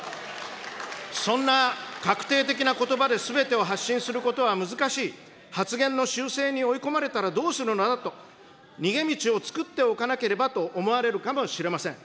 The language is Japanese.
そんな確定的なことばですべてを発信することは難しい、発言の修正に追い込まれたらどうするのだと、逃げ道を作っておかなければと思われるかもしれません。